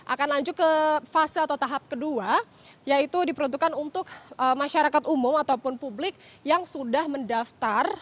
akan lanjut ke fase atau tahap kedua yaitu diperuntukkan untuk masyarakat umum ataupun publik yang sudah mendaftar